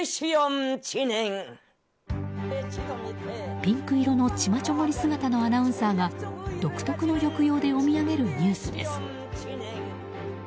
ピンク色のチマチョゴリ姿のアナウンサーが独特の抑揚で読み上げるニュースです。